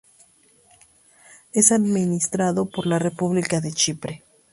Es administrado por la República de Chipre.